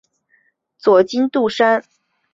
佐渡金山是一座位于日本新舄县佐渡市的金矿。